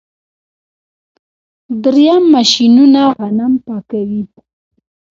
دریم ماشینونه غنم پاکوي.